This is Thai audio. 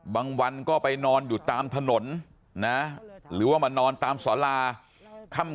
วันก็ไปนอนอยู่ตามถนนนะหรือว่ามานอนตามสาราค่ำ